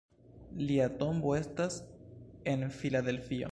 Lia tombo estas en Filadelfio.